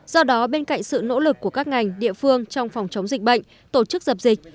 do đó bên cạnh sự nỗ lực của các ngành địa phương trong phòng chống dịch bệnh tổ chức dập dịch